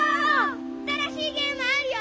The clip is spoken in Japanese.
あたらしいゲームあるよ！